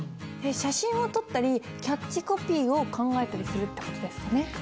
写真を撮ったりキャッチコピーを考えたりするって事ですかね。